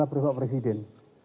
berhubungan dengan presiden